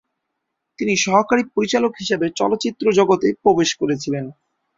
তিনি সহকারী পরিচালক হিসেবে চলচ্চিত্র জগতে প্রবেশ করেছিলেন।